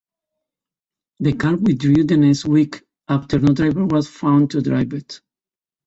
The car withdrew the next week after no driver was found to drive it.